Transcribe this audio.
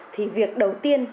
thì việc đầu tiên